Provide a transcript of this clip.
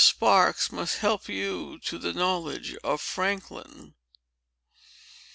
Sparks must help you to the knowledge of Franklin."